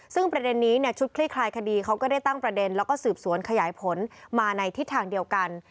ซึ่งประเด็นนี้ชุดคลี่คลายคดีเขาก็ได้ตั้งประเด็นแล้วก็สืบสวนขยายผลมาในทิศทางเดียวกัน